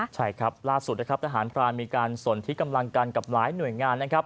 ใช่ครับล่าสุดทหารพลานมีการสนทิกำลังกันกับหลายหน่วยงาน